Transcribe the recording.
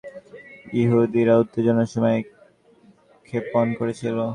ইহুদীরা উত্তেজনায় সময় ক্ষেপণ করছিল।